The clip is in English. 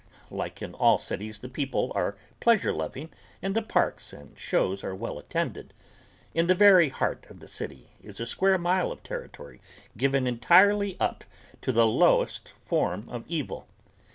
Like in all cities the people are pleasure loving and the parks and shows are well attended. In the very heart of the city is a square mile of territory given entirely up to the lowest form of evil.